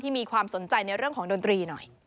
มีความสนใจในเรื่องของดนตรีหน่อย